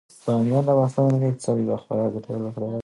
بامیان د افغانستان د ملي اقتصاد یوه خورا ګټوره برخه ده.